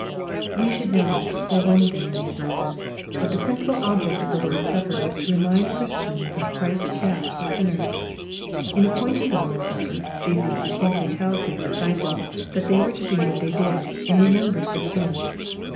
We should notice, foi one thing in these verses, that the principal object of the Lord's supper was to remind Christians of Ghristfs death for sinners. In appointing the Lord's supper, Jesus distinctly tells His disciples that they were to do what they did, " in remembrance of him.''